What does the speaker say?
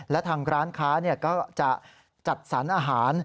และทางร้านค้าก็จะจัดสรรอาหาร